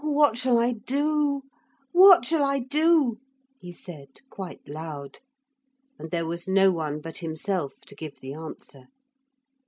'Oh, what shall I do? What shall I do?' he said, quite loud. And there was no one but himself to give the answer.